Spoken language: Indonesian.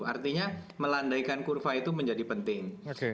artinya melandaikan kurva itu menjadi penting